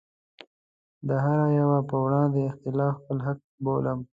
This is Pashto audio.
د هره يوه په وړاندې اختلاف خپل حق بولم.